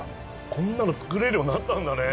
こんなの作れるようになったんだね。